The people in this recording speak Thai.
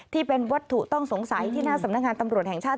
ที่เป็นวัตถุต้องสงสัยที่หน้าสำนักงานตำรวจแห่งชาติ